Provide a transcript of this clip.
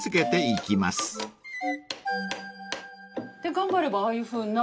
頑張ればああいうふうな。